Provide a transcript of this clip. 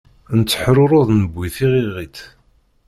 Netteḥrurud newwi tiɣiɣit.